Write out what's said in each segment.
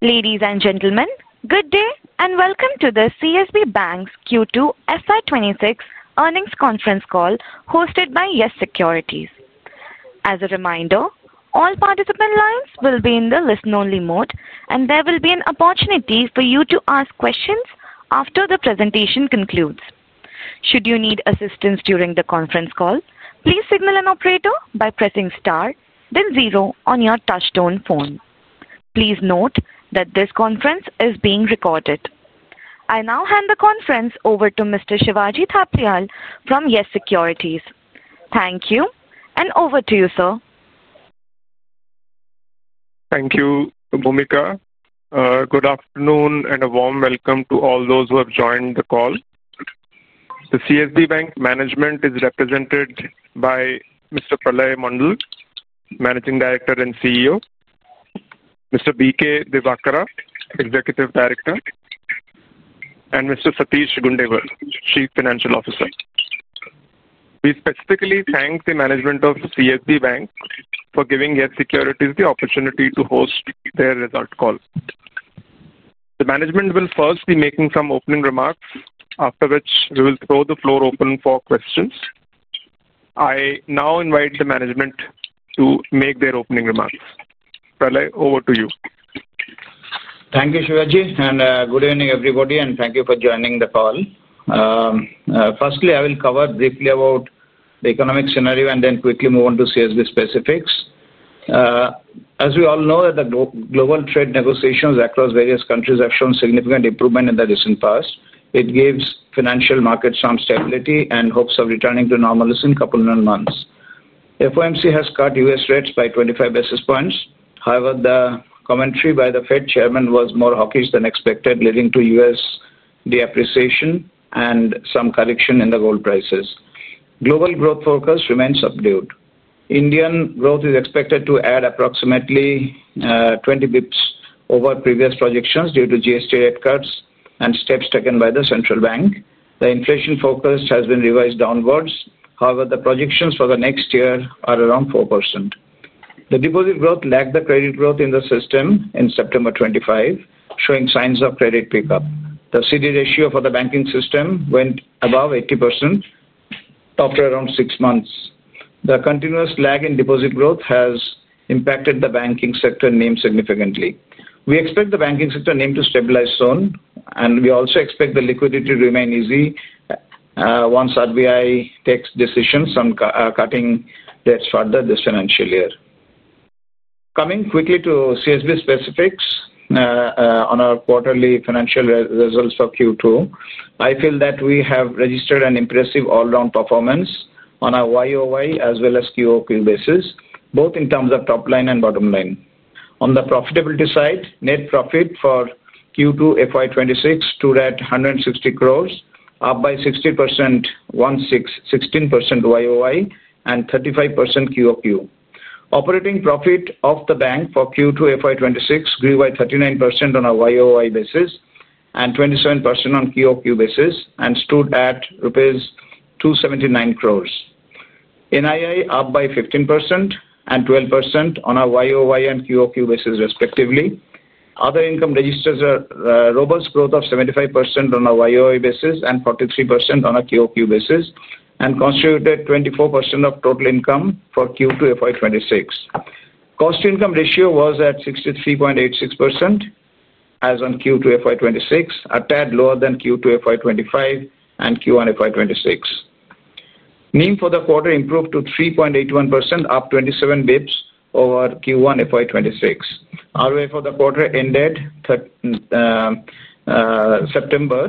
Ladies and gentlemen, good day and welcome to the CSB Bank's Q2 FY 2026 Earnings Conference Call hosted by YES Securities. As a reminder, all participant lines will be in the listen-only mode, and there will be an opportunity for you to ask questions after the presentation concludes. Should you need assistance during the conference call, please signal an operator by pressing star, then zero on your touch-tone phone. Please note that this conference is being recorded. I now hand the conference over to Mr. Shivaji Thapliyal from YES Securities. Thank you, and over to you, sir. Thank you, Vomika. Good afternoon and a warm welcome to all those who have joined the call. The CSB Bank management is represented by Mr. Pralay Mondal, Managing Director and CEO. Mr. B. K. Divakara, Executive Director. And Mr. Satish Gundewar, Chief Financial Officer. We specifically thank the management of CSB Bank for giving YES Securities the opportunity to host their result call. The management will first be making some opening remarks, after which we will throw the floor open for questions. I now invite the management to make their opening remarks. Pralay, over to you. Thank you, Shivaji, and good evening, everybody, and thank you for joining the call. Firstly, I will cover briefly about the economic scenario and then quickly move on to CSB specifics. As we all know, the global trade negotiations across various countries have shown significant improvement in the recent past. It gives financial markets some stability and hopes of returning to normalcy in a couple of months. The FOMC has cut U.S. rates by 25 basis points. However, the commentary by the Fed Chairman was more hawkish than expected, leading to U.S. de-appreciation and some correction in the gold prices. Global growth focus remains subdued. Indian growth is expected to add approximately 20 basis points over previous projections due to GST rate cuts and steps taken by the central bank. The inflation focus has been revised downwards. However, the projections for the next year are around 4%. The deposit growth lagged the credit growth in the system in September 2025, showing signs of credit pickup. The CD ratio for the banking system went above 80%. After around six months. The continuous lag in deposit growth has impacted the banking sector name significantly. We expect the banking sector name to stabilize soon, and we also expect the liquidity to remain easy. Once RBI takes decisions on cutting debts further this financial year. Coming quickly to CSB specifics. On our quarterly financial results for Q2, I feel that we have registered an impressive all-round performance on our YoY as well as QoQ basis, both in terms of top line and bottom line. On the profitability side, net profit for Q2 FY 2026 stood at 160 crore, up by 60%. 16% YoY, and 35% QoQ. Operating profit of the bank for Q2 FY 2026 grew by 39% on a YoY basis and 27% on QoQ basis, and stood at rupees 279 crore. NII up by 15% and 12% on a YoY and QoQ basis, respectively. Other income registers robust growth of 75% on a YoY basis and 43% on a QoQ basis, and constituted 24% of total income for Q2 FY 2026. Cost-to-income ratio was at 63.86%. As on Q2 FY 2026, a tad lower than Q2 FY 2025 and Q1 FY 2026. NIM for the quarter improved to 3.81%, up 27 basis points over Q1 FY 2026. ROA for the quarter ended. September.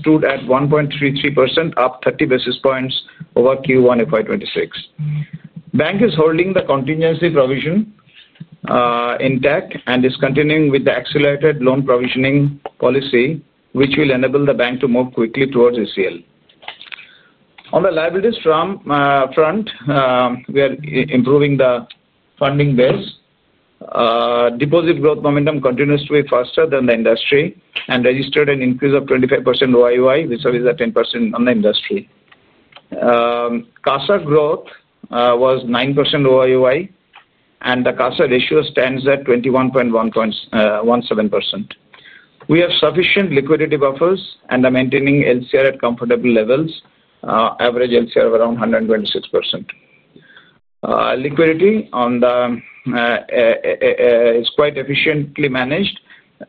Stood at 1.33%, up 30 basis points over Q1 FY 2026. Bank is holding the contingency provision. Intact and is continuing with the accelerated loan provisioning policy, which will enable the bank to move quickly towards ACL. On the liabilities front. We are improving the funding base. Deposit growth momentum continues to be faster than the industry and registered an increase of 25% YoY, which is 10% on the industry. CASA growth was 9% YoY, and the CASA ratio stands at 21.17%. We have sufficient liquidity buffers and are maintaining LCR at comfortable levels, average LCR of around 126%. Liquidity on the whole is quite efficiently managed.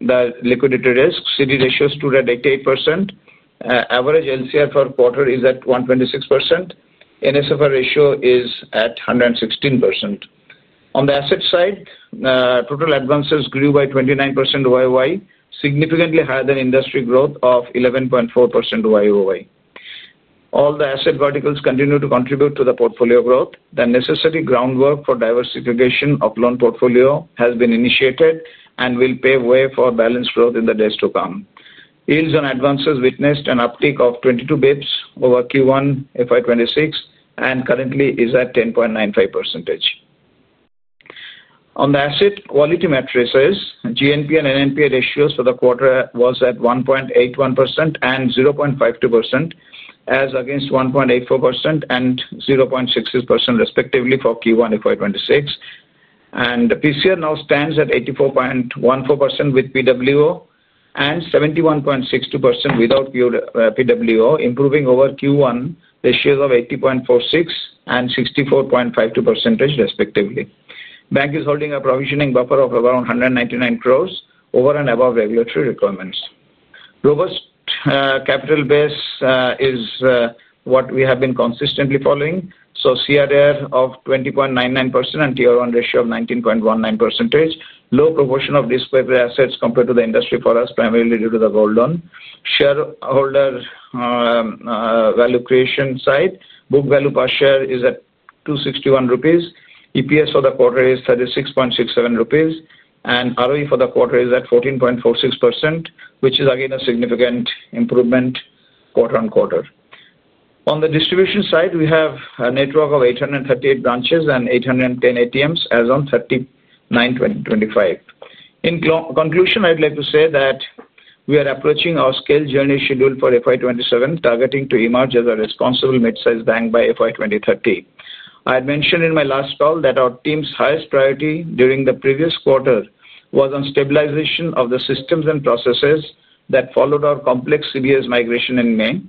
The liquidity risk CD ratio stood at 88%. Average LCR per quarter is at 126%. NSFR ratio is at 116%. On the asset side, total advances grew by 29% YoY, significantly higher than industry growth of 11.4% YoY. All the asset verticals continue to contribute to the portfolio growth. The necessary groundwork for diversification of loan portfolio has been initiated and will pave way for balanced growth in the days to come. Yields on advances witnessed an uptick of 22 basis points over Q1 FY 2026 and currently is at 10.95%. On the asset quality matrices, GNP and NNP ratios for the quarter was at 1.81% and 0.52%, as against 1.84% and 0.66%, respectively, for Q1 FY 2026. PCR now stands at 84.14% with PWO and 71.62% without PWO, improving over Q1 ratios of 80.46% and 64.52%, respectively. Bank is holding a provisioning buffer of around 199 crore over and above regulatory requirements. Robust capital base is what we have been consistently following, so CRAR of 20.99% and Tier 1 ratio of 19.19%. Low proportion of risk-weighted assets compared to the industry for us, primarily due to the gold loan. Shareholder value creation side, book value per share is at 261 rupees. EPS for the quarter is 36.67 rupees, and ROA for the quarter is at 14.46%, which is again a significant improvement quarter on quarter. On the distribution side, we have a network of 838 branches and 810 ATMs, as on September 9, 2025. In conclusion, I'd like to say that we are approaching our scale journey scheduled for FY 2027, targeting to emerge as a responsible mid-size bank by FY 2030. I had mentioned in my last call that our team's highest priority during the previous quarter was on stabilization of the systems and processes that followed our complex CBS migration in May.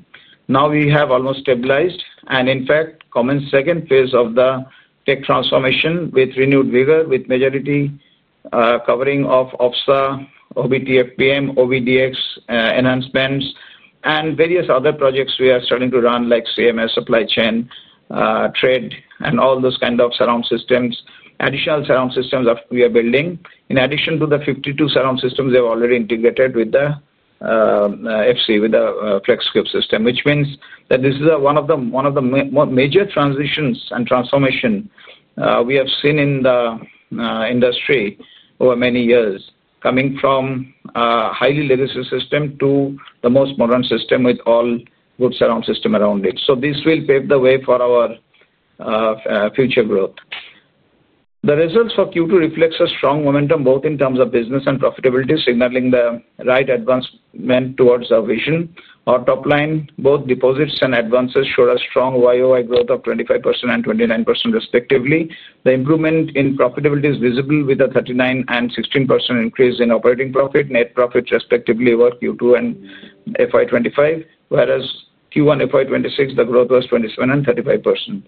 Now we have almost stabilized and, in fact, commenced the second phase of the tech transformation with renewed vigor, with majority. Covering of OFSA, OBTFPM, OVDX enhancements, and various other projects we are starting to run, like CMS supply chain. Trade, and all those kinds of surround systems, additional surround systems we are building. In addition to the 52 surround systems, they have already integrated with the. FC, with the FlexScope system, which means that this is one of the major transitions and transformations we have seen in the. Industry over many years, coming from. A highly legacy system to the most modern system with all good surround systems around it. So this will pave the way for our. Future growth. The results for Q2 reflect a strong momentum, both in terms of business and profitability, signaling the right advancement towards our vision. Our top line, both deposits and advances, showed a strong YoY growth of 25% and 29%, respectively. The improvement in profitability is visible, with a 39% and 16% increase in operating profit, net profits, respectively, over Q2 and FY 2025, whereas Q1 FY 2026, the growth was 27% and 35%.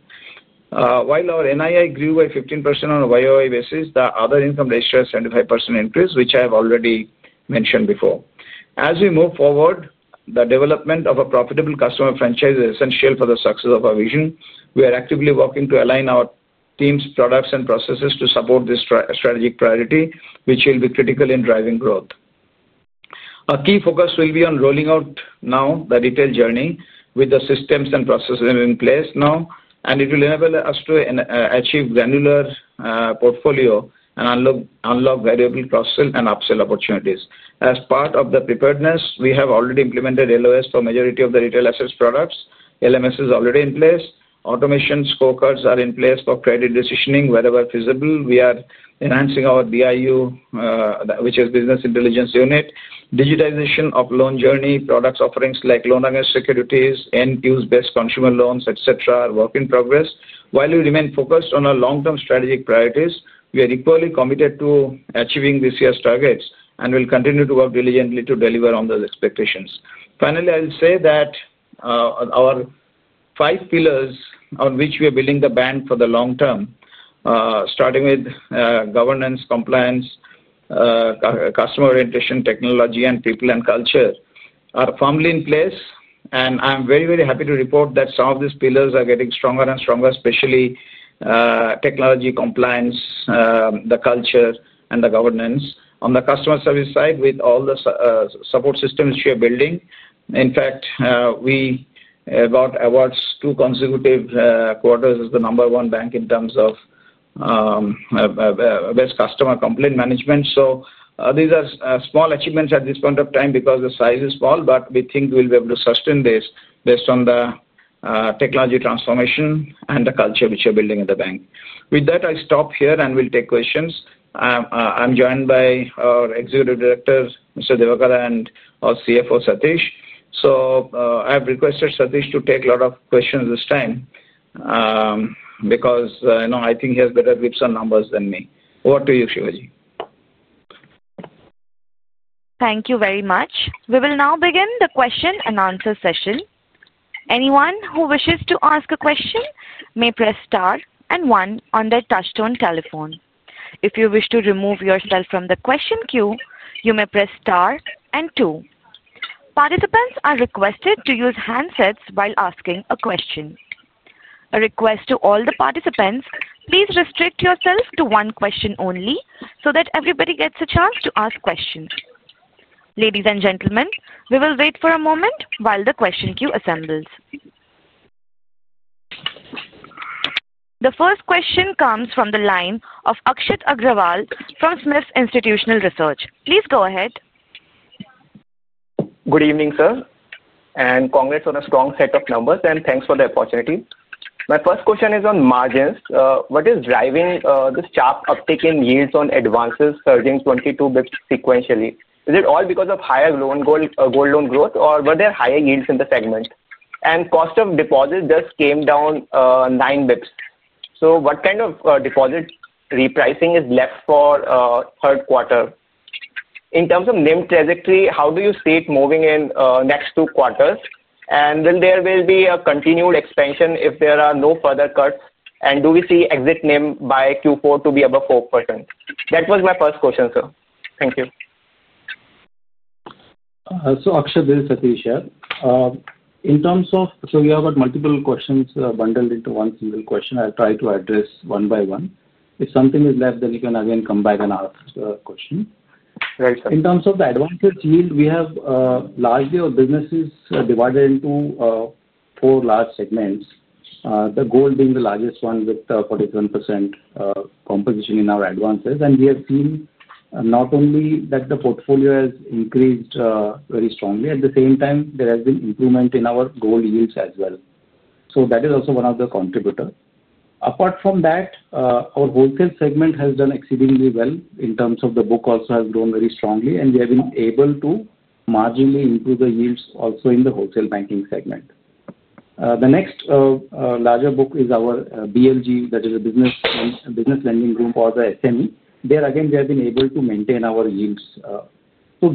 While our NII grew by 15% on a YoY basis, the other income ratio has 75% increased, which I have already mentioned before. As we move forward, the development of a profitable customer franchise is essential for the success of our vision. We are actively working to align our team's products and processes to support this strategic priority, which will be critical in driving growth. Our key focus will be on rolling out now the retail journey with the systems and processes in place now, and it will enable us to achieve granular portfolio and unlock variable cross-sell and up-sell opportunities. As part of the preparedness, we have already implemented LOS for the majority of the retail assets products. LMS is already in place. Automation scorecards are in place for credit decisioning, wherever feasible. We are enhancing our BIU, which is Business Intelligence Unit. Digitization of loan journey products offerings, like loan-only securities, NQs-based consumer loans, etc., are work in progress. While we remain focused on our long-term strategic priorities, we are equally committed to achieving this year's targets and will continue to work diligently to deliver on those expectations. Finally, I'll say that. Our five pillars on which we are building the bank for the long term. Starting with governance, compliance, customer orientation, technology, and people and culture, are firmly in place. And I'm very, very happy to report that some of these pillars are getting stronger and stronger, especially, technology, compliance, the culture, and the governance. On the customer service side, with all the support systems we are building, in fact, we got awards two consecutive quarters as the number one bank in terms of best customer complaint management. So these are small achievements at this point of time because the size is small, but we think we'll be able to sustain this based on the technology transformation and the culture which we are building at the bank. With that, I'll stop here and we'll take questions. I'm joined by our Executive Director, Mr. Divakara. and our CFO, Satish. I've requested Satish to take a lot of questions this time. Because I think he has better grips on numbers than me. Over to you, Shivaji. Thank you very much. We will now begin the question-and-answer session. Anyone who wishes to ask a question may press star and one on their touchstone telephone. If you wish to remove yourself from the question queue, you may press star and two. Participants are requested to use handsets while asking a question. A request to all the participants, please restrict yourself to one question only so that everybody gets a chance to ask questions. Ladies and gentlemen, we will wait for a moment while the question queue assembles. The first question comes from the line of Akshit Agarwal from Smith's Institutional Research. Please go ahead. Good evening, sir, and congrats on a strong set of numbers, and thanks for the opportunity. My first question is on margins. What is driving this sharp uptick in yields on advances surging 22 basis points sequentially? Is it all because of higher gold loan growth, or were there higher yields in the segment? Cost of deposit just came down nine basis points. So what kind of deposit repricing is left for third quarter? In terms of NIM trajectory, how do you see it moving in next two quarters? Will there be a continued expansion if there are no further cuts? Do we see exit NIM by Q4 to be above 4%? That was my first question, sir. Thank you. Akshit, this is Satish here. In terms of, so we have got multiple questions bundled into one single question. I'll try to address one by one. If something is left, then you can again come back and ask a question. Right, sir. In terms of the advances yield, we have largely our businesses divided into four large segments, the gold being the largest one with 47% composition in our advances. We have seen not only that the portfolio has increased very strongly, at the same time, there has been improvement in our gold yields as well. So that is also one of the contributors. Apart from that, our wholesale segment has done exceedingly well in terms of the book also has grown very strongly, and we have been able to marginally improve the yields also in the wholesale banking segment. The next larger book is our BLG, that is a Business Lending Group for the SME. There, again, we have been able to maintain our yields.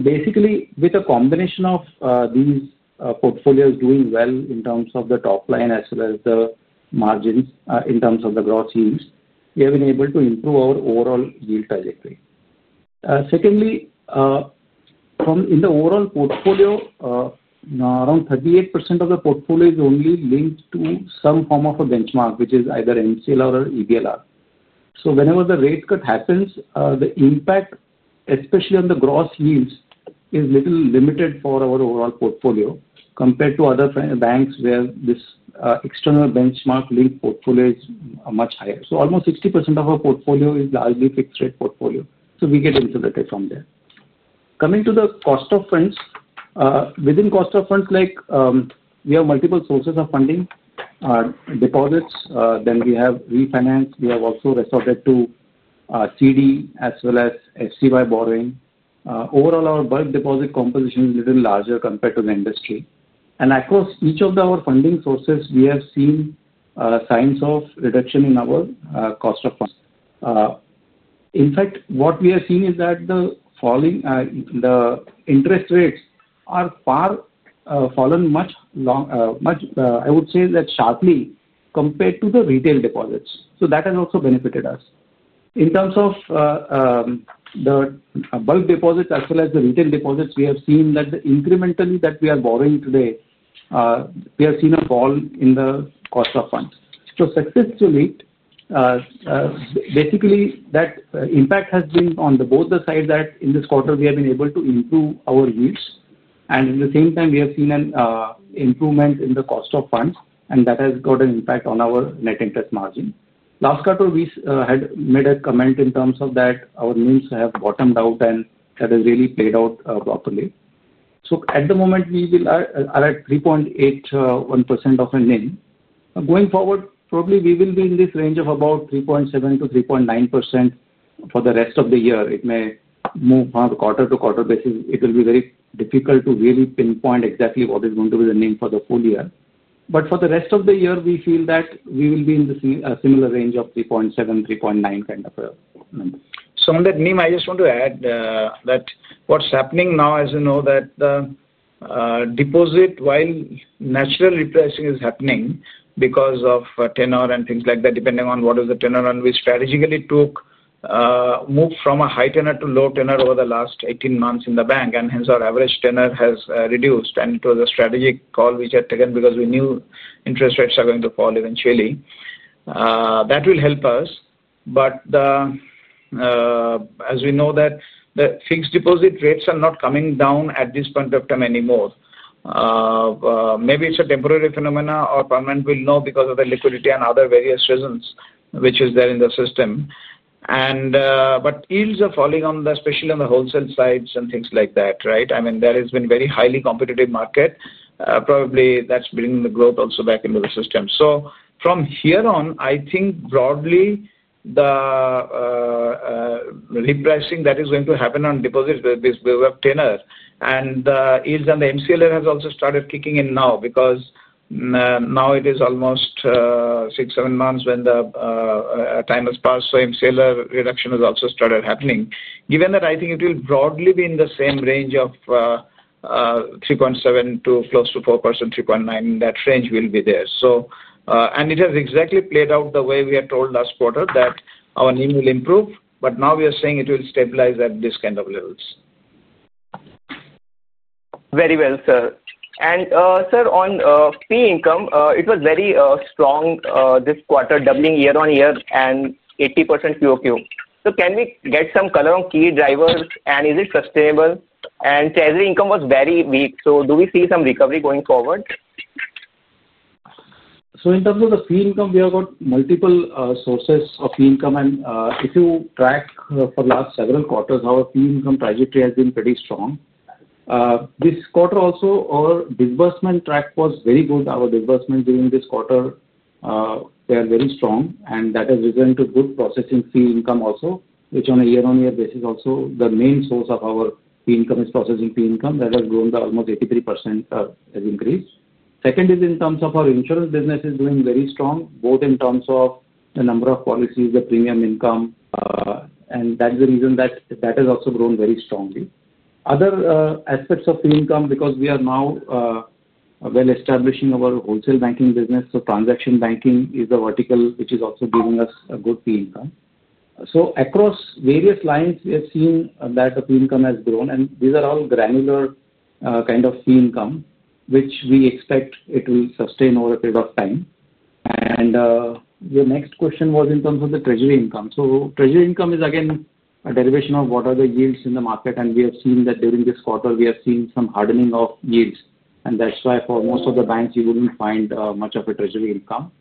Basically, with a combination of these portfolios doing well in terms of the top line as well as the margins in terms of the gross yields, we have been able to improve our overall yield trajectory. Secondly, in the overall portfolio, around 38% of the portfolio is only linked to some form of a benchmark, which is either MCLR or EBLR. Whenever the rate cut happens, the impact, especially on the gross yields, is a little limited for our overall portfolio compared to other banks where this external benchmark linked portfolio is much higher. Almost 60% of our portfolio is largely fixed-rate portfolio. We get insulated from there. Coming to the cost of funds, within cost of funds, we have multiple sources of funding. Deposits, then we have refinance. We have also resorted to CD as well as FCY borrowing. Overall, our bulk deposit composition is a little larger compared to the industry. And across each of our funding sources, we have seen. Signs of reduction in our cost of funds. In fact, what we have seen is that the. Interest rates are far. Fallen much. I would say that sharply compared to the retail deposits. So that has also benefited us. In terms of. The bulk deposits as well as the retail deposits, we have seen that the incrementally that we are borrowing today. We have seen a fall in the cost of funds. So successfully. Basically, that impact has been on both the sides that in this quarter, we have been able to improve our yields. And at the same time, we have seen an improvement in the cost of funds, and that has got an impact on our net interest margin. Last quarter, we had made a comment in terms of that our NIMs have bottomed out, and that has really played out properly. So at the moment, we are at 3.81% of a NIM. Going forward, probably we will be in this range of about 3.7% to 3.9% for the rest of the year. It may move on a quarter-to-quarter basis. It will be very difficult to really pinpoint exactly what is going to be the NIM for the full year. But for the rest of the year, we feel that we will be in the similar range of 3.7%-3.9% kind of a number. So on that NIM, I just want to add that what's happening now, as you know, that the. Deposit, while natural repricing is happening because of tenor and things like that, depending on what is the tenor and we strategically took. Move from a high tenor to low tenor over the last 18 months in the bank, and hence our average tenor has reduced. And it was a strategic call which I took because we knew interest rates are going to fall eventually. That will help us. But. As we know that the fixed deposit rates are not coming down at this point of time anymore. Maybe it's a temporary phenomenon, or Parliament will know because of the liquidity and other various reasons which is there in the system. But yields are falling on the, especially on the wholesale sides and things like that, right? I mean, there has been a very highly competitive market. Probably that's bringing the growth also back into the system. So from here on, I think broadly the. Repricing that is going to happen on deposits will be above tenor. And the yields on the MCLR have also started kicking in now because. Now it is almost. Six, seven months when the. Time has passed. So MCLR reduction has also started happening. Given that I think it will broadly be in the same range of. 3.7% to close to 4%-3.9%, that range will be there. And it has exactly played out the way we had told last quarter that our NIM will improve, but now we are seeing it will stabilize at this kind of levels. Very well, sir. And sir, on fee income, it was very strong this quarter, doubling year-on-year and 80% QoQ. So can we get some color on key drivers, and is it sustainable? And treasury income was very weak. So do we see some recovery going forward? So in terms of the fee income, we have got multiple sources of fee income. And if you track for the last several quarters, our fee income trajectory has been pretty strong. This quarter also, our disbursement track was very good. Our disbursement during this quarter. Were very strong, and that has resulted in good processing fee income also, which on a year-on-year basis also, the main source of our fee income is processing fee income. That has grown almost 83% as increase. Second is in terms of our insurance business is doing very strong, both in terms of the number of policies, the premium income. And that is the reason that that has also grown very strongly. Other aspects of fee income, because we are now. Well-establishing our wholesale banking business, so transaction banking is the vertical which is also giving us a good fee income. So across various lines, we have seen that the fee income has grown. And these are all granular kind of fee income, which we expect it will sustain over a period of time. And. Your next question was in terms of the treasury income. So treasury income is again a derivation of what are the yields in the market. And we have seen that during this quarter, we have seen some hardening of yields. And that's why for most of the banks, you wouldn't find much of a treasury income.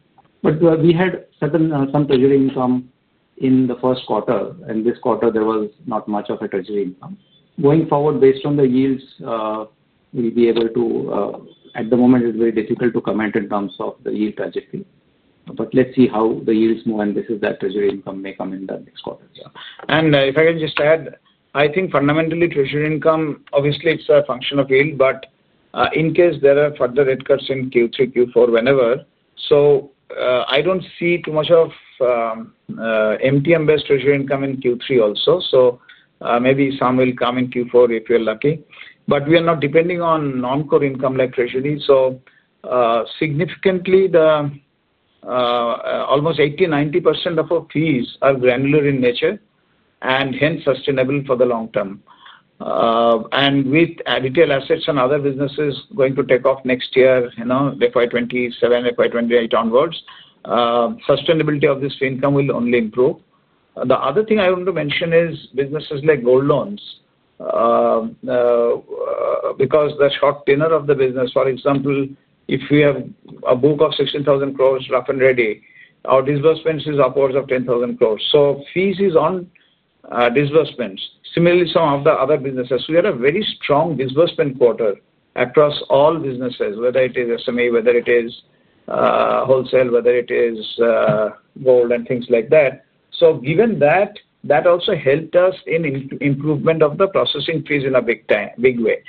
But we had some treasury income in the first quarter, and this quarter, there was not much of a treasury income. Going forward, based on the yields. We'll be able to. At the moment, it's very difficult to comment in terms of the yield trajectory. But let's see how the yields move, and this is that treasury income may come in the next quarter. And if I can just add, I think fundamentally treasury income, obviously it's a function of yield, but in case there are further rate cuts in Q3, Q4, whenever. So I don't see too much of. MTM-based treasury income in Q3 also. So maybe some will come in Q4 if we're lucky. But we are not depending on non-core income like treasury. So. Significantly, almost 80%-90% of our fees are granular in nature and hence sustainable for the long term. And with retail assets and other businesses going to take off next year, FY 2027, FY 2028 onwards, sustainability of this income will only improve. The other thing I want to mention is businesses like gold loans. Because the short tenor of the business, for example, if we have a book of 16,000 crore rough and ready, our disbursement is upwards of 10,000 crore. So fees is on. Disbursements. Similarly, some of the other businesses. We had a very strong disbursement quarter across all businesses, whether it is SME, whether it is. Wholesale, whether it is. Gold, and things like that. So given that, that also helped us in improvement of the processing fees in a big way.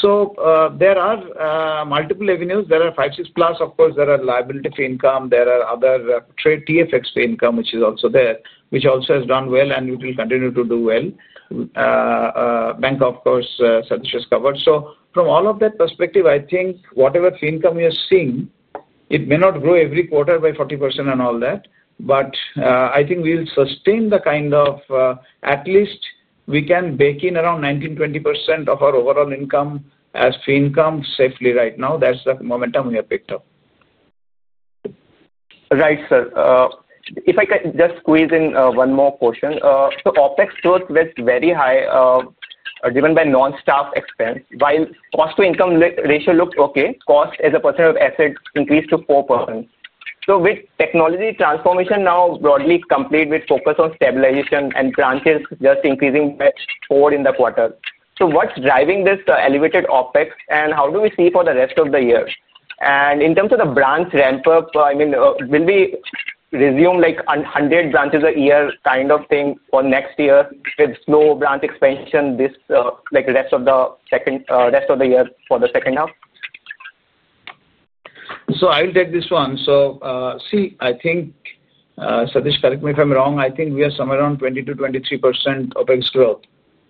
So there are multiple avenues. There are 56+, of course, there are liability fee income. There are other trade TFX fee income, which is also there, which also has done well and will continue to do well. Bank, of course, Satish has covered. So from all of that perspective, I think whatever fee income you're seeing, it may not grow every quarter by 40% and all that, but I think we'll sustain the kind of. At least we can bake in around 19%-20% of our overall income as fee income safely right now. That's the momentum we have picked up. Right, sir. If I can just squeeze in one more question. So OpEx growth was very high. Driven by non-staff expense. While cost-to-income ratio looked okay, cost as a percent of assets increased to 4%. So with technology transformation now broadly complete with focus on stabilization and branches just increasing by four in the quarter. So what's driving this elevated OpEx, and how do we see for the rest of the year? And in terms of the branch ramp-up, I mean, will we resume like 100 branches a year kind of thing for next year with slow branch expansion this rest of the. Second half? So I'll take this one. So see, I think. Satish, correct me if I'm wrong, I think we are somewhere around 22%-23% OpEx growth.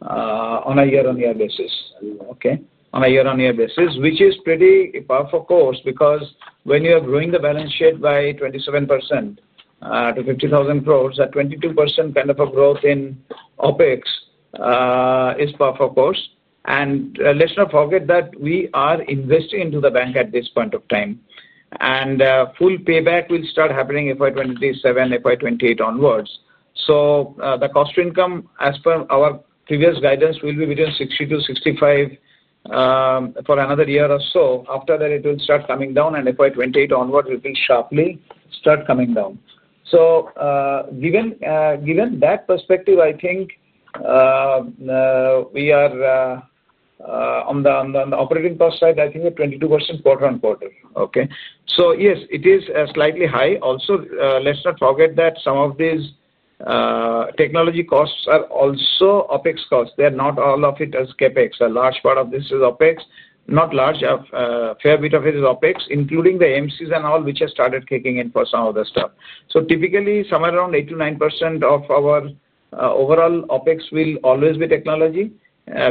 On a year-on-year basis, okay? On a year-on-year basis, which is pretty powerful course because when you are growing the balance sheet by 27%. To 50,000 crore, that 22% kind of a growth in OpEx. Is powerful course. And let's not forget that we are investing into the bank at this point of time. And full payback will start happening FY 2027, FY 2028 onwards. So the cost income, as per our previous guidance, will be between 60%-65%. For another year or so. After that, it will start coming down, and FY 2028 onward, it will sharply start coming down. So. Given that perspective, I think. We are. On the operating cost side, I think we're 22% quarter-on-quarter, okay? So yes, it is slightly high. Also, let's not forget that some of these. Technology costs are also OpEx costs. They're not all of it as CapEx. A large part of this is OpEx. Not large, a fair bit of it is OpEx, including the MCs and all, which have started kicking in for some of the stuff. So typically, somewhere around 8%-9% of our overall OpEx will always be technology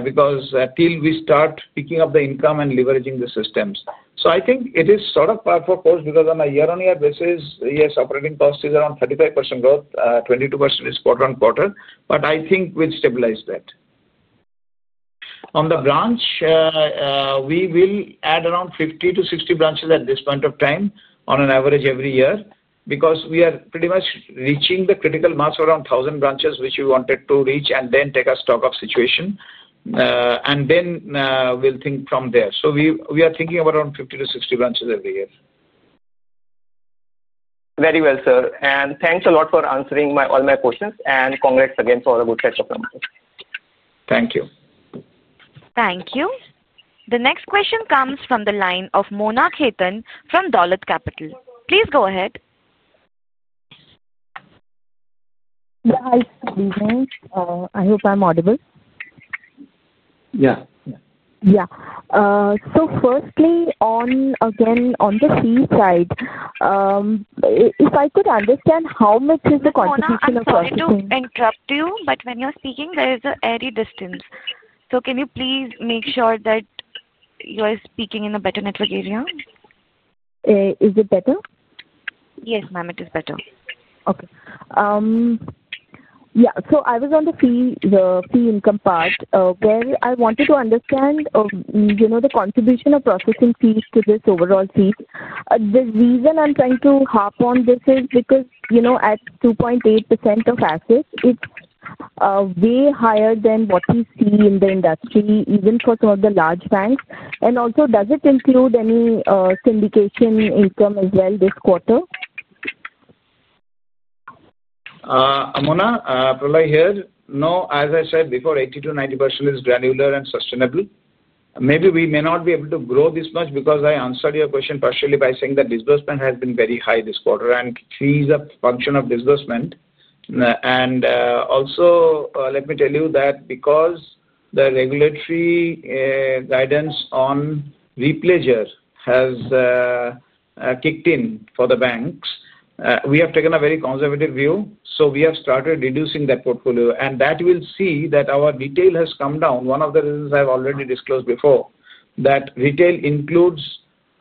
because till we start picking up the income and leveraging the systems. So I think it is sort of powerful course because on a year-on-year basis, yes, operating cost is around 35% growth, 22% is quarter-on-quarter. But I think we've stabilized that. On the branch. We will add around 50%-60% branches at this point of time on an average every year because we are pretty much reaching the critical mass of around 1,000 branches, which we wanted to reach and then take a stock of situation. And then we'll think from there. So we are thinking about around 50%-60% branches every year. Very well, sir. And thanks a lot for answering all my questions, and congrats again for a good set of numbers. Thank you. Thank you. The next question comes from the line of Mona Khetan from Dolat Capital. Please go ahead. Hi. Excuse me. I hope I'm audible. Yeah. Yeah. So firstly, again, on the fee side. If I could understand how much is the contribution of. Sorry to interrupt you, but when you're speaking, there is an airy distance. So can you please make sure that. You are speaking in a better network area? Is it better? Yes, ma'am, it is better. Okay. Yeah. So I was on the fee income part, where I wanted to understand. The contribution of processing fees to this overall fee. The reason I'm trying to harp on this is because at 2.8% of assets, it's way higher than what we see in the industry, even for some of the large banks. And also, does it include any syndication income as well this quarter? Mona, probably I heard. No, as I said before, 80%-90% is granular and sustainable. Maybe we may not be able to grow this much because I answered your question partially by saying that disbursement has been very high this quarter and fees are a function of disbursement. And also, let me tell you that because the regulatory. Guidance on. Repleasure has. Kicked in for the banks, we have taken a very conservative view. So we have started reducing that portfolio. And that will see that our retail has come down. One of the reasons I've already disclosed before, that retail includes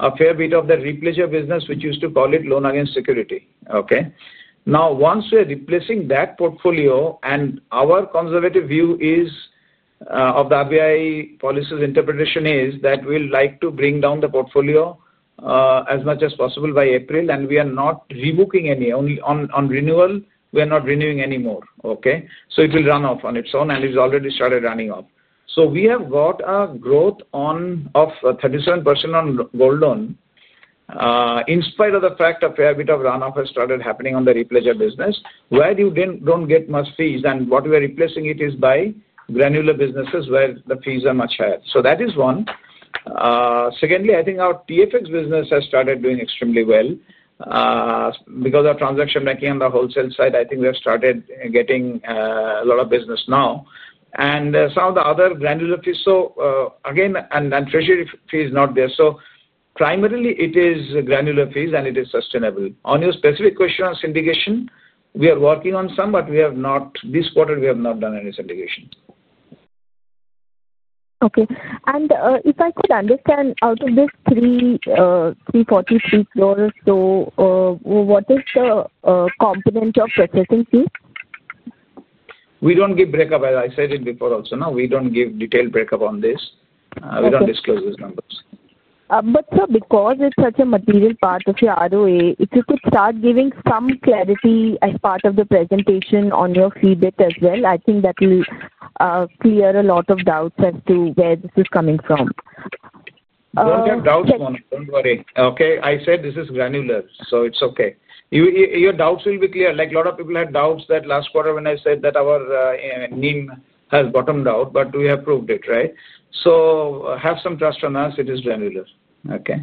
a fair bit of the repledger business, which used to call it loan against security. Okay? Now, once we're replacing that portfolio and our conservative view is. Of the RBI policies interpretation is that we'll like to bring down the portfolio. As much as possible by April, and we are not rebooking any. On renewal, we are not renewing anymore. Okay? So it will run off on its own, and it's already started running off. So we have got a growth of 37% on gold loan. In spite of the fact a fair bit of run-off has started happening on the repledger business, where you don't get much fees. And what we are replacing it is by granular businesses where the fees are much higher. So that is one. Secondly, I think our TFX business has started doing extremely well. Because of transaction banking on the wholesale side, I think we have started getting a lot of business now. And some of the other granular fees, so again, and treasury fee is not there. So primarily, it is granular fees, and it is sustainable. On your specific question on syndication, we are working on some, but this quarter, we have not done any syndication. Okay. And if I could understand, out of this 3.43 crore or so, what is the component of processing fee? We don't give breakup, as I said it before also. We don't give detailed breakup on this. We don't disclose these numbers. But sir, because it's such a material part of your ROA, if you could start giving some clarity as part of the presentation on your fee bit as well, I think that will. Clear a lot of doubts as to where this is coming from. Don't have doubts, Mona. Don't worry. Okay? I said this is granular, so it's okay. Your doubts will be clear. Like a lot of people have doubts that last quarter when I said that our NIM has bottomed out, but we have proved it, right? So have some trust on us. It is granular. Okay.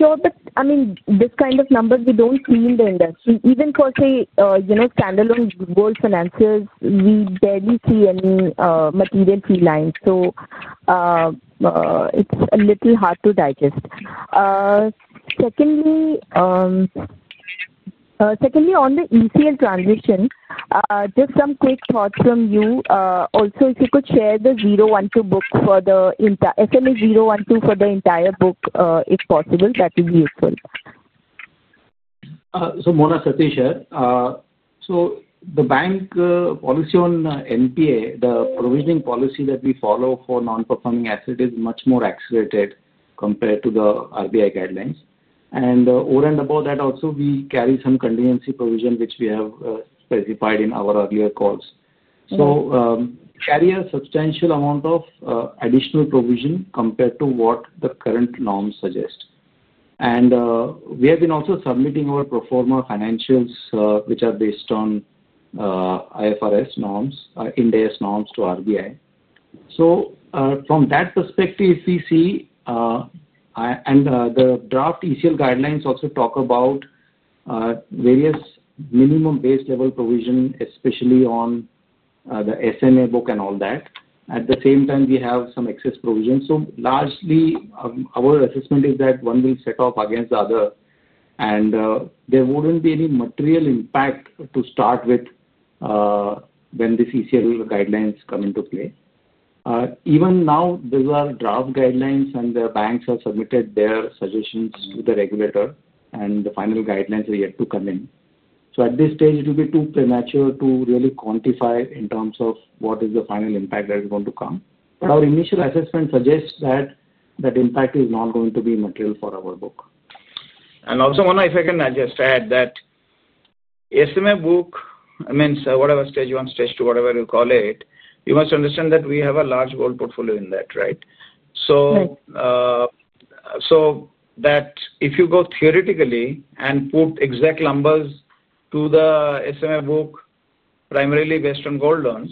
Sure. But I mean, this kind of number, we don't see in the industry. Even for, say, standalone gold finances, we barely see any material fee lines. So. It's a little hard to digest. Secondly. On the ECL transition. Just some quick thoughts from you. Also, if you could share the 012 book for the SLA 012 for the entire book, if possible, that would be useful. So Mona, Satish, here. So the bank policy on NPA, the provisioning policy that we follow for non-performing asset is much more accelerated compared to the RBI guidelines. And over and above that, also, we carry some contingency provision which we have specified in our earlier calls. So. Carry a substantial amount of additional provision compared to what the current norms suggest. And we have been also submitting our proforma financials, which are based on. IFRS norms, index norms to RBI. So from that perspective, if we see. And the draft ECL guidelines also talk about. Various minimum base level provision, especially on. The SMA book and all that. At the same time, we have some excess provision. So largely, our assessment is that one will set off against the other, and there wouldn't be any material impact to start with. When these ECL guidelines come into play. Even now, these are draft guidelines, and the banks have submitted their suggestions to the regulator, and the final guidelines are yet to come in. So at this stage, it will be too premature to really quantify in terms of what is the final impact that is going to come. But our initial assessment suggests that that impact is not going to be material for our book. And also, Mona, if I can just add that. SMA book, I mean, whatever stage you want, stage two, whatever you call it, you must understand that we have a large gold portfolio in that, right? So. If you go theoretically and put exact numbers to the SMA book, primarily based on gold loans.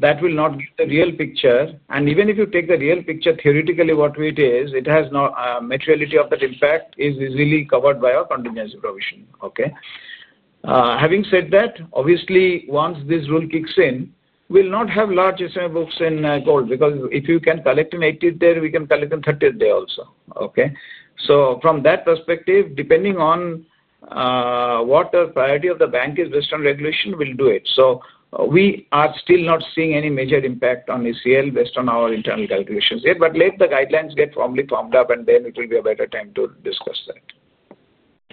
That will not give the real picture. And even if you take the real picture, theoretically, what it is, it has no materiality of that impact is easily covered by our contingency provision. Okay? Having said that, obviously, once this rule kicks in, we'll not have large SMA books in gold because if you can collect on 80th day, we can collect on 30th day also. Okay? So from that perspective, depending on. What the priority of the bank is based on regulation, we'll do it. So we are still not seeing any major impact on ECL based on our internal calculations yet. But let the guidelines get formally formed up, and then it will be a better time to discuss that.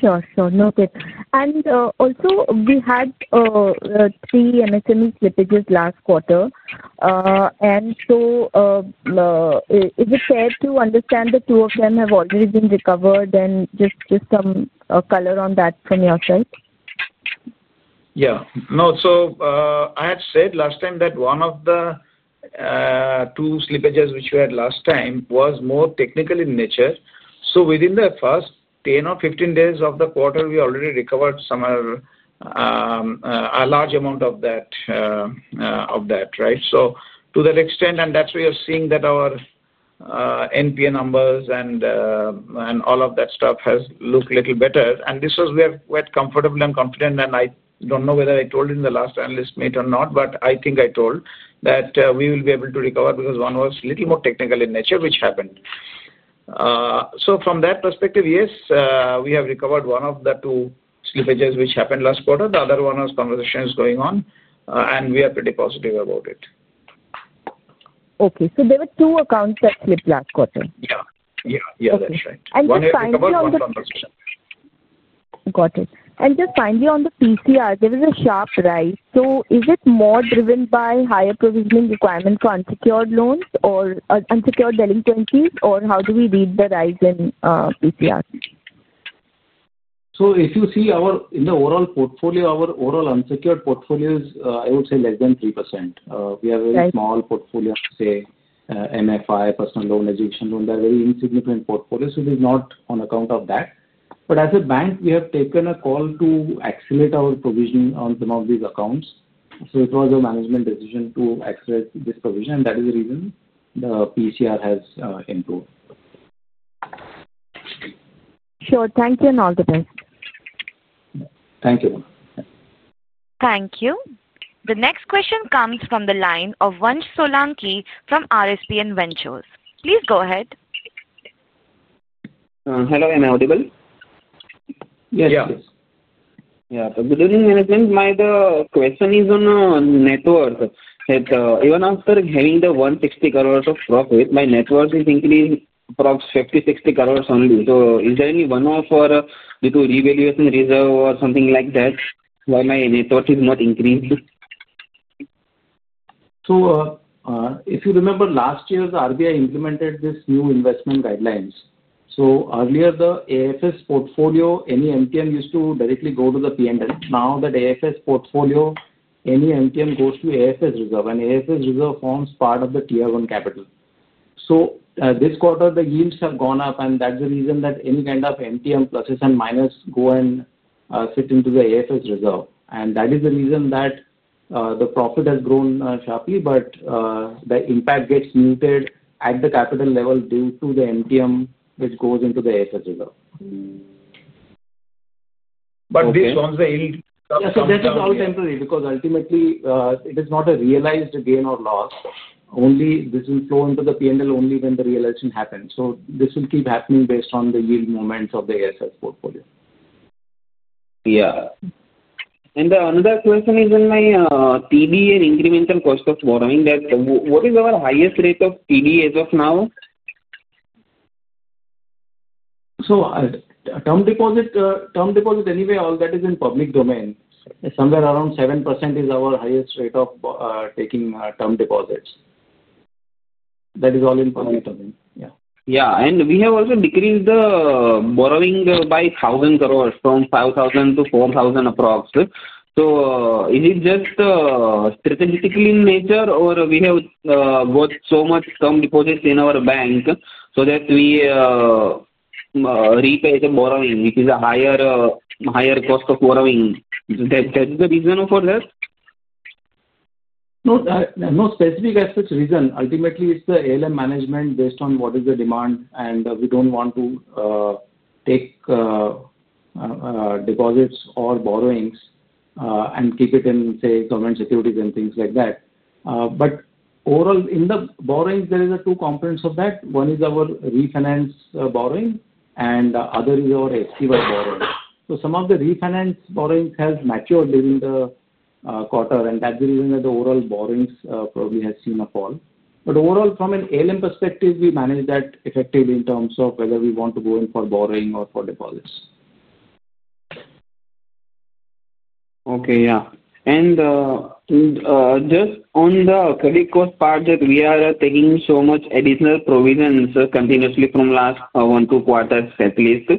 Sure. Sure. Noted. And also, we had. Three MSME slippages last quarter. And so. Is it fair to understand the two of them have already been recovered? And just some color on that from your side. Yeah. No, so I had said last time that one of the. Two slippages which we had last time was more technical in nature. So within the first 10 or 15 days of the quarter, we already recovered somewhere. A large amount of that. Right? So to that extent, and that's where you're seeing that our. NPA numbers and. All of that stuff has looked a little better. And this was where we're quite comfortable and confident. And I don't know whether I told it in the last analyst meet or not, but I think I told that we will be able to recover because one was a little more technical in nature, which happened. So from that perspective, yes, we have recovered one of the two slippages which happened last quarter. The other one was conversations going on, and we are pretty positive about it. Okay. So there were two accounts that slipped last quarter. Yeah. Yeah. Yeah, that's right. And just finally, on the. Got it. Got it. And just finally, on the PCR, there was a sharp rise. So is it more driven by higher provisioning requirement for unsecured loans or unsecured delinquencies, or how do we read the rise in PCR? So if you see our in the overall portfolio, our overall unsecured portfolio is, I would say, less than 3%. We have a very small portfolio, say, MFI, personal loan, education loan. They are very insignificant portfolios, so it is not on account of that. But as a bank, we have taken a call to accelerate our provision on some of these accounts. So it was a management decision to accelerate this provision, and that is the reason the PCR has improved. Sure. Thank you and all the best. Thank you. Thank you. The next question comes from the line of Vansh Solanki from RSPN Ventures. Please go ahead. Hello. Am I audible? Yes. Yes. Yeah. Good evening, management. My question is on net worth. Even after having the 160 crore of profit, my net worth is increased approximately 50 crore-60 crore only. So is there any one of our due to revaluation reserve or something like that, why my net worth is not increased? So. If you remember, last year, the RBI implemented these new investment guidelines. So earlier, the AFS portfolio, any MTM used to directly go to the P&L. Now, that AFS portfolio, any MTM goes to AFS reserve. And AFS reserve forms part of the Tier 1 capital. So this quarter, the yields have gone up, and that's the reason that any kind of MTM pluses and minus go and sit into the AFS reserve. And that is the reason that. The profit has grown sharply, but the impact gets muted at the capital level due to the MTM which goes into the AFS reserve. But this once the yield comes up. Yeah. So that is all temporary because ultimately, it is not a realized gain or loss. Only this will flow into the P&L only when the realization happens. So this will keep happening based on the yield movements of the AFS portfolio. Yeah. And the another question is on my TD and incremental cost of borrowing. What is our highest rate of TD as of now? So term deposit, anyway, all that is in public domain. Somewhere around 7% is our highest rate of taking term deposits. That is all in public domain. Yeah. Yeah. And we have also decreased the borrowing by 1,000 crore from 5,000 crore-4,000 crore approximately. So is it just. Strategically in nature, or we have got so much term deposits in our bank so that we. Repay the borrowing, which is a higher. Cost of borrowing? That is the reason for that? No, no specific as such reason. Ultimately, it's the ALM management based on what is the demand, and we don't want to. Take. Deposits or borrowings. And keep it in, say, government securities and things like that. But overall, in the borrowing, there are two components of that. One is our refinance borrowing, and the other is our SCY borrowing. So some of the refinance borrowings have matured during the quarter, and that's the reason that the overall borrowings probably have seen a fall. But overall, from an ALM perspective, we manage that effectively in terms of whether we want to go in for borrowing or for deposits. Okay. Yeah. And. Just on the credit cost part that we are taking so much additional provisions continuously from last one to quarter at least.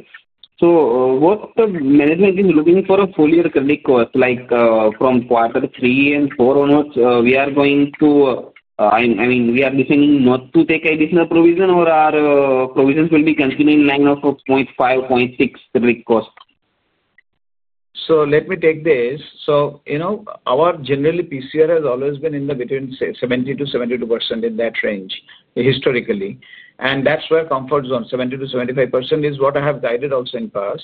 So what the management is looking for a full year credit cost, like from quarter three and four onwards, we are going to. I mean, we are deciding not to take additional provision or our provisions will be continuing in line of 0.5, 0.6 credit cost? So let me take this. So our generally PCR has always been in the between, say, 70%-72% in that range historically. And that's where comfort zone, 70%-75% is what I have guided also in past.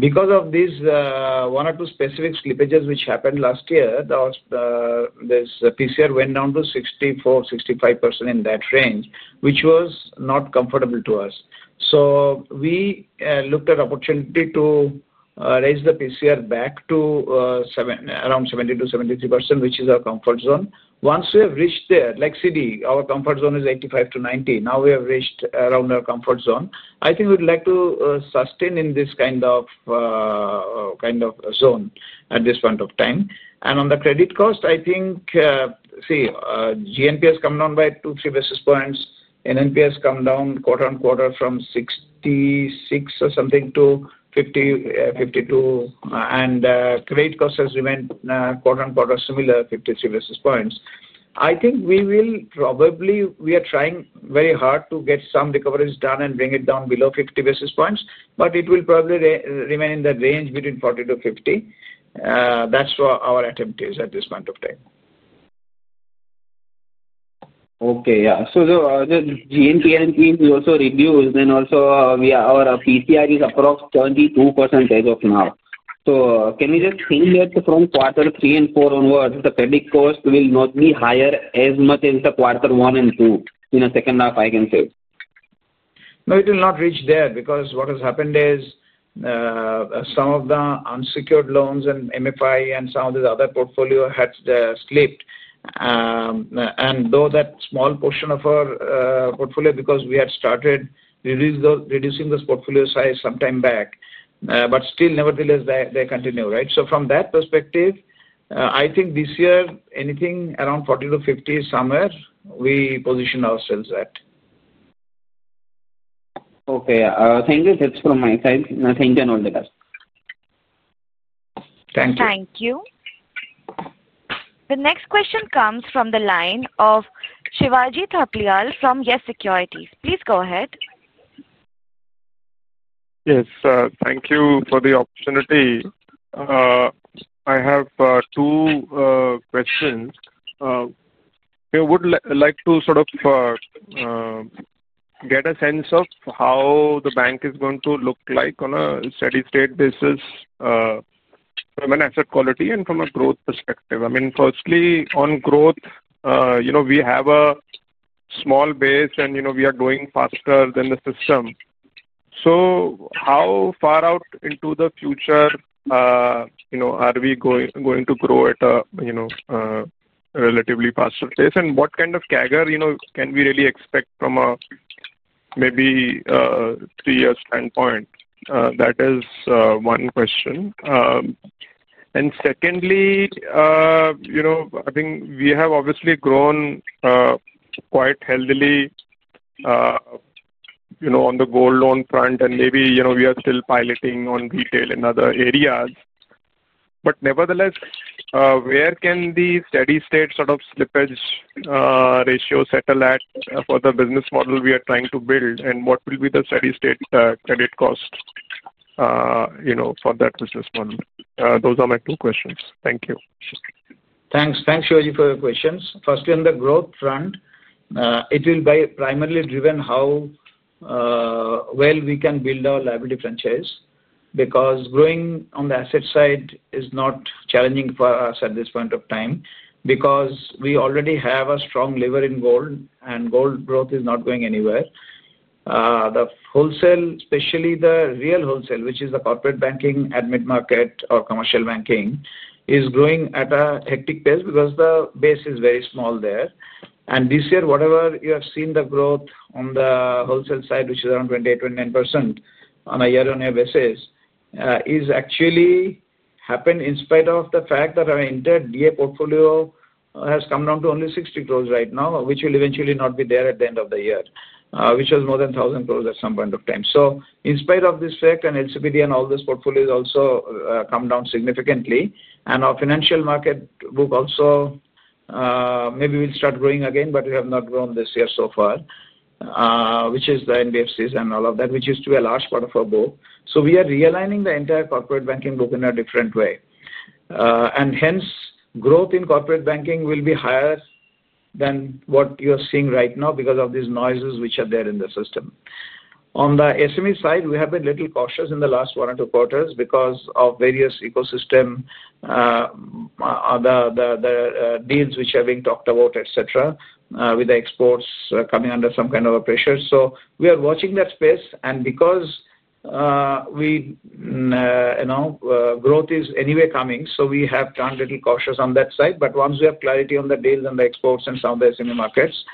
Because of these one or two specific slippages which happened last year. This PCR went down to 64%, 65% in that range, which was not comfortable to us. So we looked at opportunity to. Raise the PCR back to. Around 70%-73%, which is our comfort zone. Once we have reached there, like CD, our comfort zone is 85%-90%. Now we have reached around our comfort zone. I think we'd like to sustain in this kind of. Zone at this point of time. And on the credit cost, I think. See, GNP has come down by two, three basis points. NNP has come down quarter-on-quarter from 66 or something to 50, 52. And credit cost has remained quarter on quarter similar, 53 basis points. I think we will probably we are trying very hard to get some recoveries done and bring it down below 50 basis points, but it will probably remain in the range between 40-50. That's what our attempt is at this point of time. Okay. Yeah. So the GNP and PNP also reduced. Then also our PCR is approximately 72% as of now. So can you just say that from quarter three and four onwards, the credit cost will not be higher as much as the quarter one and two in the second half, I can say? No, it will not reach there because what has happened is. Some of the unsecured loans and MFI and some of these other portfolio had slipped. And though that small portion of our portfolio, because we had started reducing this portfolio size sometime back. But still, nevertheless, they continue, right? So from that perspective, I think this year, anything around 40-50 somewhere, we position ourselves at. Okay. Thank you. That's from my side. Thank you and all the best. Thank you. Thank you. The next question comes from the line of Shivaji Thapliyal from YES Securities. Please go ahead. Yes. Thank you for the opportunity. I have two questions. I would like to sort of. Get a sense of how the bank is going to look like on a steady-state basis. From an asset quality and from a growth perspective. I mean, firstly, on growth, we have a small base, and we are growing faster than the system. So how far out into the future. Are we going to grow at a. Relatively faster pace? And what kind of CAGR can we really expect from a. Maybe. Three-year standpoint? That is one question. And secondly. I think we have obviously grown. Quite healthily. On the gold loan front, and maybe we are still piloting on retail in other areas. But nevertheless. Where can the steady-state sort of slippage. Ratio settle at for the business model we are trying to build? And what will be the steady-state credit cost. For that business model? Those are my two questions. Thank you. Thanks. Thanks, Shivaji, for your questions. Firstly, on the growth front. It will be primarily driven how. Well we can build our liability franchise because growing on the asset side is not challenging for us at this point of time because we already have a strong lever in gold, and gold growth is not going anywhere. The wholesale, especially the real wholesale, which is the corporate banking at mid-market or commercial banking, is growing at a hectic pace because the base is very small there. And this year, whatever you have seen the growth on the wholesale side, which is around 28%, 29% on a year-on-year basis, is actually happened in spite of the fact that our entire DA portfolio has come down to only 60 crore right now, which will eventually not be there at the end of the year, which was more than 1,000 crore at some point of time. So in spite of this fact, and LCPD and all these portfolios also come down significantly. And our financial market book also. Maybe will start growing again, but we have not grown this year so far. Which is the NBFCs and all of that, which used to be a large part of our book. So we are realigning the entire corporate banking book in a different way. And hence, growth in corporate banking will be higher than what you are seeing right now because of these noises which are there in the system. On the SME side, we have been a little cautious in the last one or two quarters because of various ecosystem. The deals which are being talked about, etc., with the exports coming under some kind of a pressure. So we are watching that space. And because. Growth is anyway coming, so we have turned a little cautious on that side. But once we have clarity on the deals and the exports and some of the SME markets,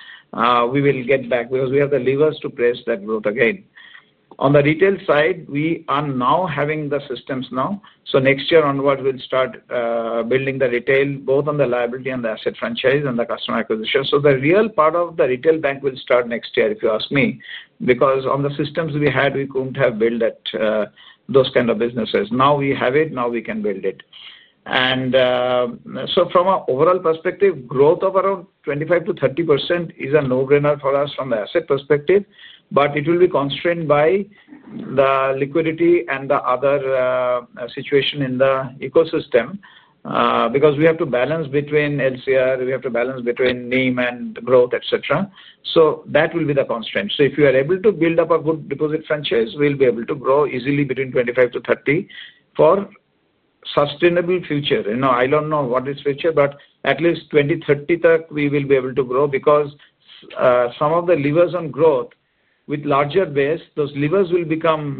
we will get back because we have the levers to press that growth again. On the retail side, we are now having the systems now. So next year onward, we'll start building the retail, both on the liability and the asset franchise and the customer acquisition. So the real part of the retail bank will start next year, if you ask me, because on the systems we had, we couldn't have built those kind of businesses. Now we have it. Now we can build it. And. So from an overall perspective, growth of around 25%-30% is a no-brainer for us from the asset perspective, but it will be constrained by. The liquidity and the other. Situation in the ecosystem. Because we have to balance between LCR, we have to balance between NIM and growth, etc. So that will be the constraint. So if you are able to build up a good deposit franchise, we'll be able to grow easily between 25%-30% for. Sustainable future. I don't know what is future, but at least 2030, we will be able to grow because. Some of the levers on growth with larger base, those levers will become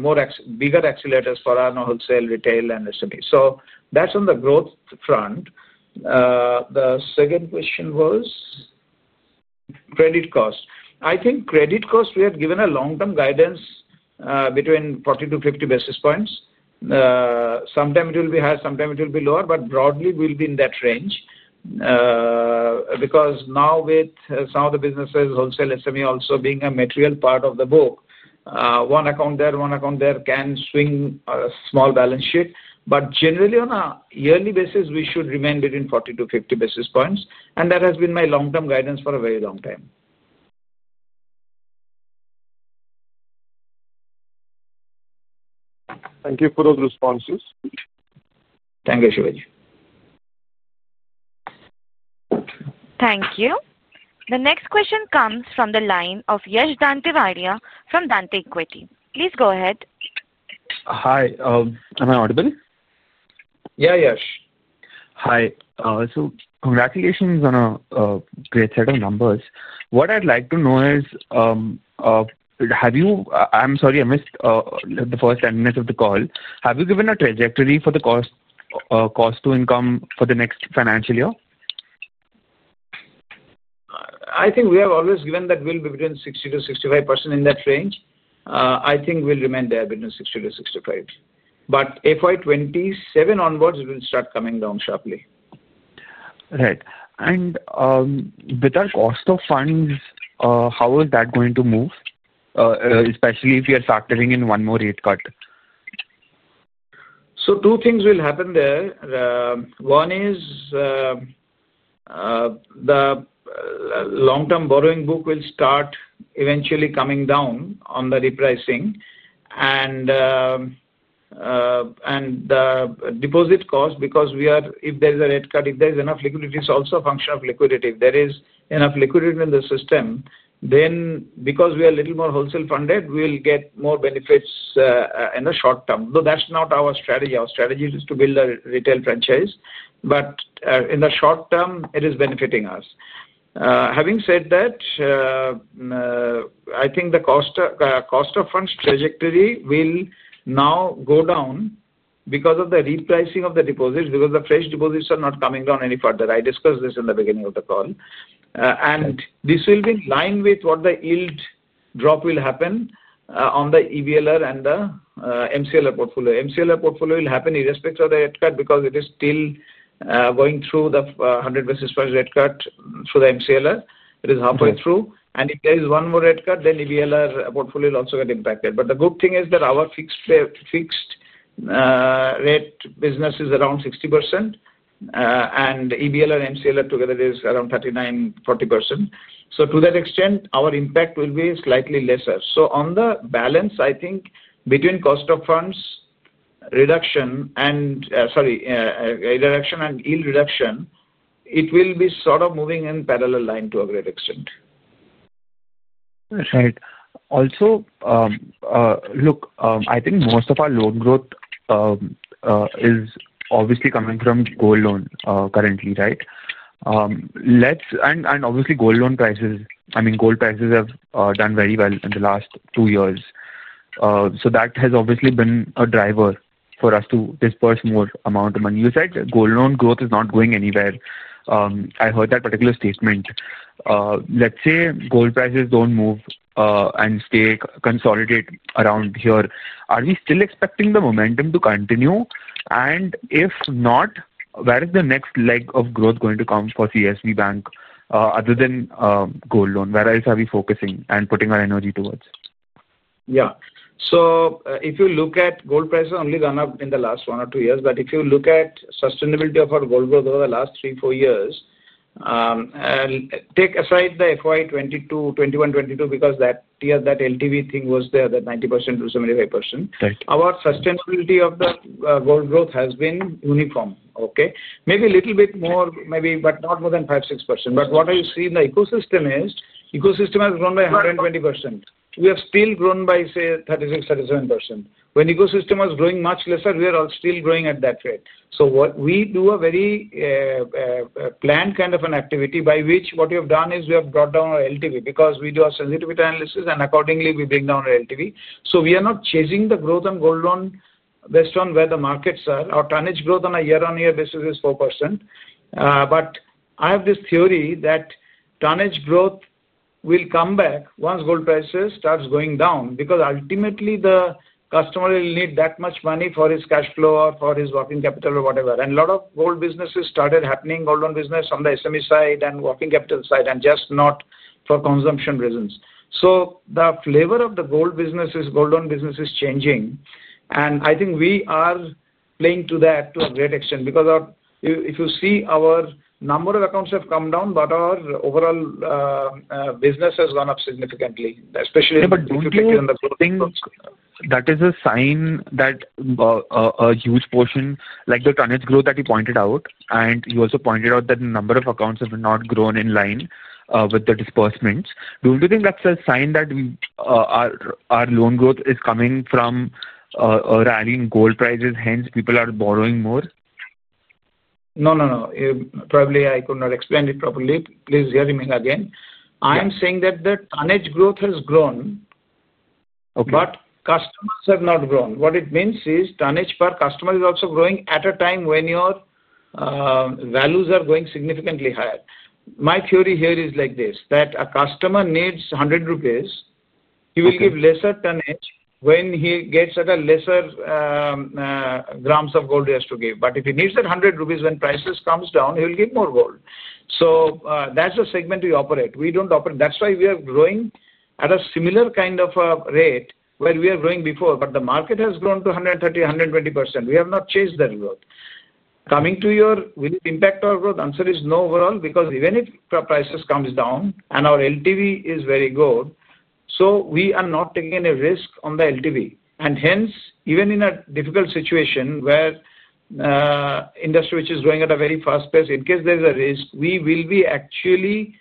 bigger accelerators for our wholesale, retail, and SME. So that's on the growth front. The second question was. Credit cost. I think credit cost, we have given a long-term guidance. Between 40-50 basis points. Sometime it will be higher, sometime it will be lower, but broadly, we'll be in that range. Because now with some of the businesses, wholesale, SME also being a material part of the book, one account there, one account there can swing a small balance sheet. But generally, on a yearly basis, we should remain between 40-50 basis points. And that has been my long-term guidance for a very long time. Thank you for those responses. Thank you, Shivaji. Thank you. The next question comes from the line of Yash Dantewadia from Dante Equity. Please go ahead. Hi. Am I audible? Yeah, Yash. Hi. So congratulations on a great set of numbers. What I'd like to know is. I'm sorry, I missed the first element of the call. Have you given a trajectory for the. Cost-to-income for the next financial year? I think we have always given that we'll be between 60%-65% in that range. I think we'll remain there between 60%-65%. But FY 2027 onwards, it will start coming down sharply. Right. And. With our cost of funds, how is that going to move. Especially if you're factoring in one more rate cut? Two things will happen there. One is the long-term borrowing book will start eventually coming down on the repricing. And the deposit cost, because if there's a rate cut, if there's enough liquidity, it's also a function of liquidity. If there is enough liquidity in the system, then because we are a little more wholesale funded, we'll get more benefits in the short term. Though that's not our strategy. Our strategy is to build a retail franchise. But in the short term, it is benefiting us. Having said that, I think the cost-to-fund trajectory will now go down because of the repricing of the deposits because the fresh deposits are not coming down any further. I discussed this in the beginning of the call. And this will be in line with what the yield drop will happen on the EBLR and the MCLR portfolio. MCLR portfolio will happen irrespective of the rate cut because it is still. Going through the 100 basis point rate cut through the MCLR. It is halfway through. And if there is one more rate cut, then EBLR portfolio will also get impacted. But the good thing is that our fixed. Rate business is around 60%. And EBLR and MCLR together is around 39%, 40%. So to that extent, our impact will be slightly lesser. So on the balance, I think between cost-to-fund. Reduction and. Reduction and yield reduction, it will be sort of moving in parallel line to a great extent. Right. Also. Look, I think most of our loan growth. Is obviously coming from gold loan currently, right? And obviously, gold loan prices, I mean, gold prices have done very well in the last two years. So that has obviously been a driver for us to disperse more amount of money. You said gold loan growth is not going anywhere. I heard that particular statement. Let's say gold prices don't move and stay consolidate around here. Are we still expecting the momentum to continue? And if not, where is the next leg of growth going to come for CSB Bank other than gold loan? Where else are we focusing and putting our energy towards? Yeah. So if you look at gold prices, only gone up in the last one or two years. But if you look at sustainability of our gold growth over the last three, four years. Take aside the FY 2021, 2022 because that LTV thing was there, that 90%-75%. Our sustainability of the gold growth has been uniform, okay? Maybe a little bit more, but not more than 5%, 6%. But what I see in the ecosystem is ecosystem has grown by 120%. We have still grown by, say, 36%, 37%. When ecosystem was growing much lesser, we are all still growing at that rate. So we do a very. Planned kind of an activity by which what we have done is we have brought down our LTV because we do our sensitivity analysis, and accordingly, we bring down our LTV. So we are not chasing the growth on gold loan based on where the markets are. Our tonnage growth on a year-on-year basis is 4%. But I have this theory that tonnage growth will come back once gold prices start going down because ultimately, the customer will need that much money for his cash flow or for his working capital or whatever. And a lot of gold businesses started happening, gold loan business on the SME side and working capital side and just not for consumption reasons. So the flavor of the gold businesses, gold loan businesses changing. And I think we are playing to that to a great extent because if you see our number of accounts have come down, but our overall. Business has gone up significantly, especially if you look at the growth. That is a sign that a huge portion, like the tonnage growth that you pointed out. You also pointed out that the number of accounts have not grown in line with the disbursements. Do you think that's a sign that our loan growth is coming from rallying gold prices, hence people are borrowing more? No, no, no. Probably I could not explain it properly. Please hear me again. I am saying that the tonnage growth has grown, but customers have not grown. What it means is tonnage per customer is also growing at a time when your. Values are going significantly higher. My theory here is like this, that a customer needs 100 rupees. He will give lesser tonnage when he gets at a lesser. Grams of gold he has to give. But if he needs that 100 rupees, when prices come down, he will give more gold. So that's the segment we operate. We don't operate. That's why we are growing at a similar kind of rate where we are growing before. But the market has grown to 130%, 120%. We have not changed that growth. Coming to your, will it impact our growth? Answer is no overall because even if prices come down and our LTV is very good, so we are not taking any risk on the LTV. Hence, even in a difficult situation where industry which is growing at a very fast pace, in case there is a risk, we will be actually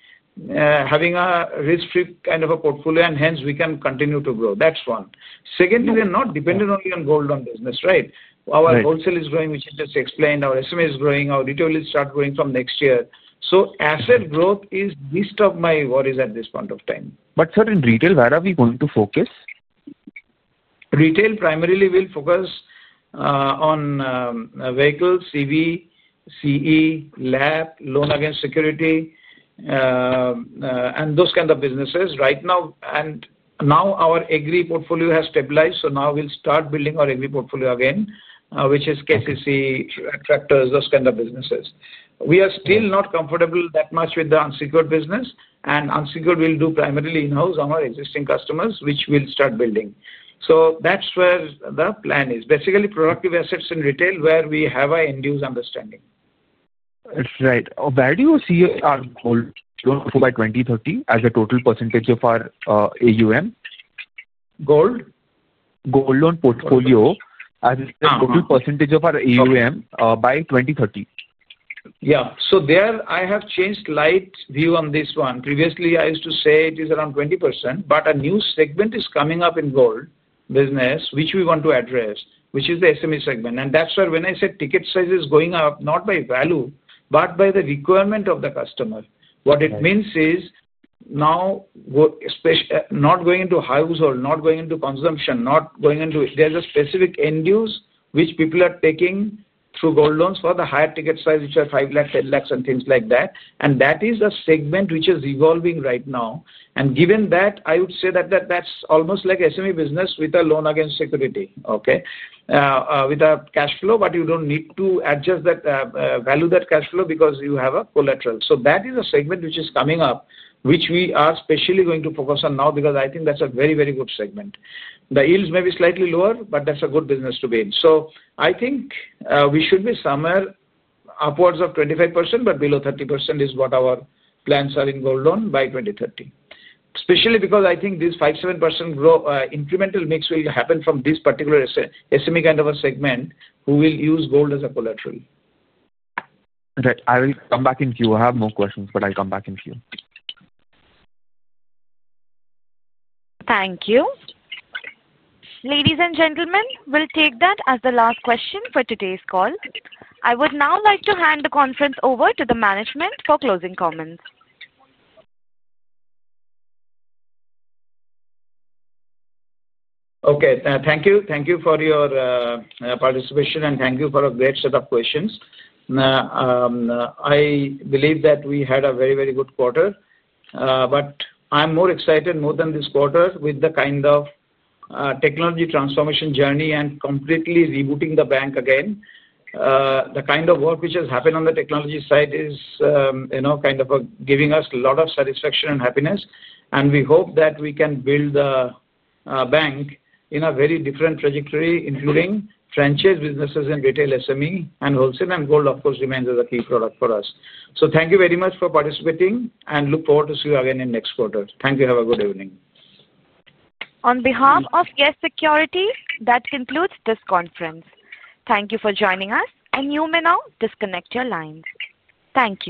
having a risk-free kind of a portfolio, and hence we can continue to grow. That's one. Second, we are not dependent only on gold loan business, right? Our wholesale is growing, which I just explained. Our SME is growing. Our retail is start growing from next year. Asset growth is least of my worries at this point of time. In retail, where are we going to focus? Retail primarily will focus on vehicles, CV, CE, lab, loan against security and those kinds of businesses. Now our agri portfolio has stabilized, so now we'll start building our agri portfolio again, which is KCC, tractors, those kinds of businesses. We are still not comfortable that much with the unsecured business, and unsecured will do primarily in-house on our existing customers, which we'll start building. So that's where the plan is. Basically, productive assets in retail where we have our end-use understanding. That's right. Where do you see our gold growth by 2030 as a total percentage of our AUM? Gold? Gold loan portfolio as a total percentage of our AUM by 2030. Yeah. So there, I have changed slight view on this one. Previously, I used to say it is around 20%, but a new segment is coming up in gold business, which we want to address, which is the SME segment. And that's why when I said ticket size is going up, not by value, but by the requirement of the customer. What it means is. Now. Not going into house or not going into consumption, not going into there's a specific end-use which people are taking through gold loans for the higher ticket size, which are 5 lakh, 10 lakh, and things like that. And that is a segment which is evolving right now. And given that, I would say that that's almost like SME business with a loan against security, okay? With a cash flow, but you don't need to adjust that value that cash flow because you have a collateral. So that is a segment which is coming up, which we are especially going to focus on now because I think that's a very, very good segment. The yields may be slightly lower, but that's a good business to be in. So I think we should be somewhere upwards of 25%, but below 30% is what our plans are in gold loan by 2030. Especially because I think this 5%, 7% incremental mix will happen from this particular SME kind of a segment who will use gold as a collateral. Right. I will come back in to you. I have more questions, but I'll come back in to you. Thank you. Ladies and gentlemen, we'll take that as the last question for today's call. I would now like to hand the conference over to the management for closing comments. Okay. Thank you. Thank you for your. Participation, and thank you for a great set of questions. I believe that we had a very, very good quarter. But I'm more excited, more than this quarter, with the kind of. Technology transformation journey and completely rebooting the bank again. The kind of work which has happened on the technology side is. Kind of giving us a lot of satisfaction and happiness. And we hope that we can build the. Bank in a very different trajectory, including franchise businesses and retail SME and wholesale. And gold, of course, remains as a key product for us. So thank you very much for participating and look forward to seeing you again in next quarter. Thank you. Have a good evening. On behalf of YES Securities, that concludes this conference. Thank you for joining us, and you may now disconnect your lines. Thank you.